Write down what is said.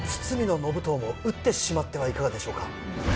堤信遠も討ってしまってはいかがでしょうか。